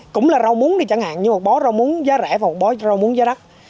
cũng là rau muống đi chẳng hạn như một bó rau muống giá rẻ và một bó rau muống giá đắt